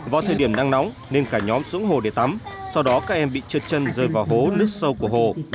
vào thời điểm nắng nóng nên cả nhóm xuống hồ để tắm sau đó các em bị trượt chân rơi vào hố nứt sâu của hồ